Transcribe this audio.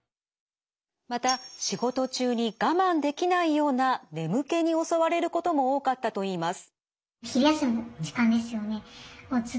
また仕事中に我慢できないような眠気に襲われることも多かったといいます。